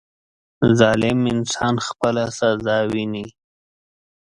• ظالم انسان خپله سزا ویني.